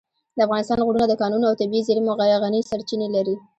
د افغانستان غرونه د کانونو او طبیعي زېرمو غني سرچینې لري.